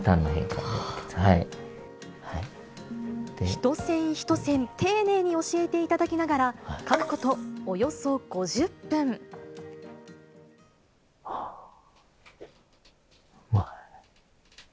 ひと線ひと線、丁寧に教えていただきながら、描くことおよそ５０あぁ。